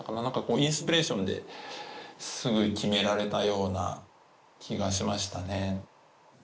何かインスピレーションですぐ決められたような気がしましたね。